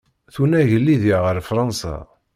Tunag Lidya ɣer Fransa.